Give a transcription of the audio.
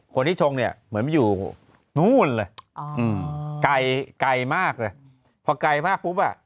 คนที่ชงเนี่ยเหมือนไม่อยู่นู้นเลยไกลมากเลยพอไกลมากปุ๊บอ่ะ